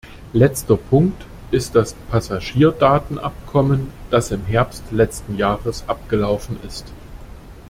Letzter Punkt ist das Passagierdatenabkommen, das im Herbst letzten Jahres abgelaufen ist.